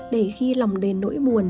để khi lòng đền nỗi buồn